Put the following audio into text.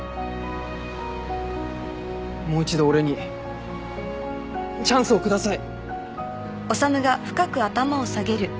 もう一度俺にチャンスを下さい。